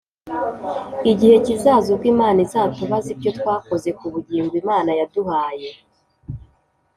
igihe kizaza ubwo Imana izatubaza ibyo twakoze ku bugingo Imana yaduhaye.